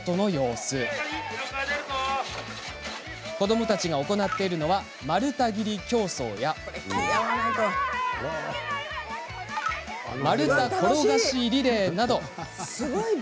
子どもたちが行っているのは丸太切り競争や丸太転がしリレーなど。